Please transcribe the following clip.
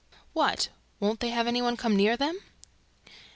"What? WON'T THEY HAVE ANY ONE COME NEAR THEM?"